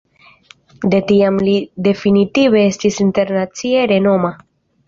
De tiam li definitive estis internacie renoma.